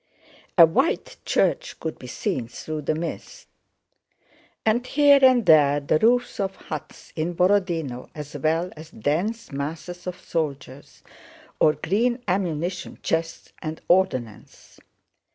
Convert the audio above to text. A white church could be seen through the mist, and here and there the roofs of huts in Borodinó as well as dense masses of soldiers, or green ammunition chests and ordnance.